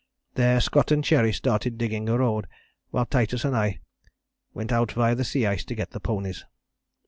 There Scott and Cherry started digging a road, while Titus and I went out via the sea ice to get the ponies.